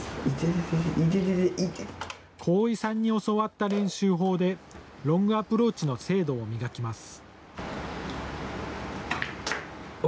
鴻井さんに教わった練習法でロングアプローチの精度を磨きます。